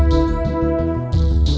masih di pasar